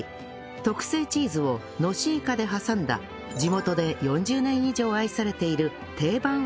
特製チーズをのしいかで挟んだ地元で４０年以上愛されている定番おつまみなんです